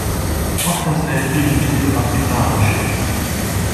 What has there been to do at the Grange?